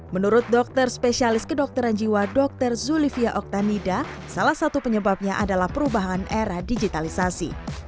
menurut dokter spesialis kedokteran jiwa dr zulivia oktanida salah satu penyebabnya adalah perubahan era digitalisasi